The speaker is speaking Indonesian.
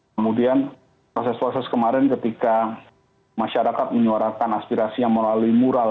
kemudian proses proses kemarin ketika masyarakat menyuarakan aspirasinya melalui mural